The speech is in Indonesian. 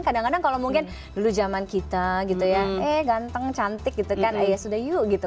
kadang kadang kalau mungkin dulu zaman kita gitu ya eh ganteng cantik gitu kan ya sudah yuk gitu